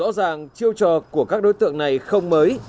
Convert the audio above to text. rõ ràng chiêu trò của các đối tượng này không mới